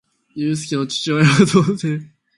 ゆうすけの父親は童貞